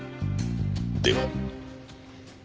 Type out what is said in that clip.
では。